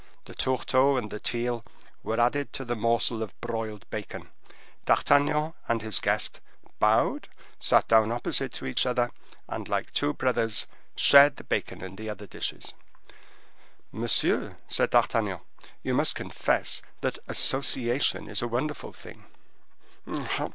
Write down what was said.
The tourteau and the teal were added to the morsel of broiled bacon; D'Artagnan and his guest bowed, sat down opposite to each other, and, like two brothers, shared the bacon and the other dishes. "Monsieur," said D'Artagnan, "you must confess that association is a wonderful thing."